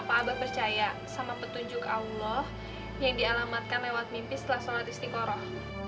pak abah percaya sama petunjuk allah yang dialamatkan lewat mimpi setelah sholat istiqoroh